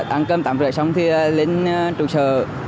ăn cơm tạm rồi xong thì đến trụ sở